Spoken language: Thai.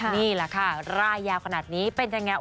นี่แหละค่ะร่ายยาวขนาดนี้เป็นยังไง